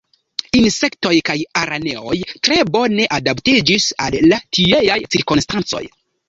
Insektoj kaj araneoj tre bone adaptiĝis al la tieaj cirkonstancoj.